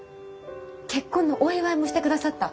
結婚のお祝いもしてくださった。